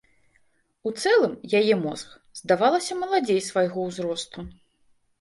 У цэлым, яе мозг, здавалася маладзей свайго ўзросту.